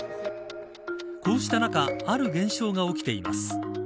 こうした中ある現象が起きています。